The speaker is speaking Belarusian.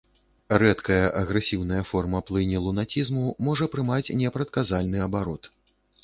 Рэдкая агрэсіўная форма плыні лунацізму можа прымаць непрадказальны абарот.